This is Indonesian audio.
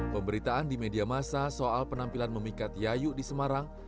pemberitaan di media masa soal penampilan memikat yayu di semarang